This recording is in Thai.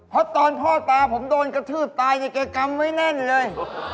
เพราะตอนพ่อตาผมโดนกระทืบตายเนี่ยแกกำไว้แน่นเลย